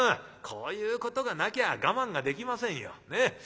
こういうことがなきゃ我慢ができませんよ。